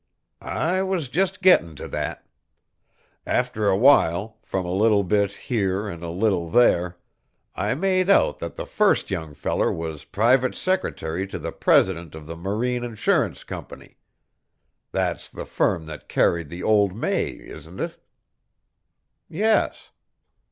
"I was just gettin' to that. After a while, from a little bit here an' a little there, I made out that the first young feller was private secretary to the president of the Marine Insurance Company. That's the firm that carried the old May, isn't it?" "Yes."